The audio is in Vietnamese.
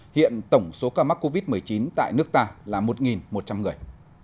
hiện tổng số ca mắc covid một mươi chín tại nước ta là một một trăm linh người